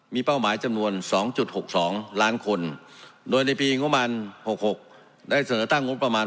มีเป้าหมายจำนวน๒๖๒ล้านคนโดยในปีงบประมาณ๖๖ได้เสนอตั้งงบประมาณ